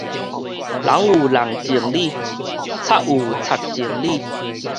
人有人情理，賊有賊情理